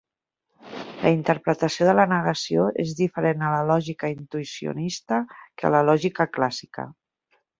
La interpretació de la negació és diferent a la lògica intuïcionista que a la lògica clàssica.